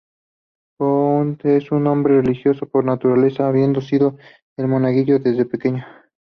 Booth es un hombre religioso por naturaleza, habiendo sido un Monaguillo de pequeño.